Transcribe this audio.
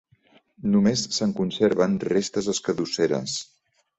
Només se'n conserven restes escadusseres.